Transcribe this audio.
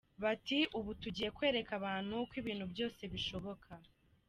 Bati ubu tugiye kwereka abantu ko ibintu byose bishoboka.